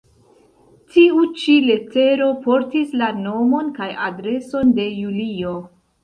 Tiu ĉi letero portis la nomon kaj adreson de Julio.